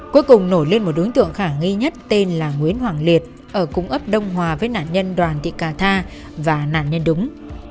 cuối cùng nổi lên một đối tượng khả nghi nhất tên là nguyễn hoàng liệt ở cung ấp đông hòa với nạn nhân đoàn thị ca tha và nạn nhân đúng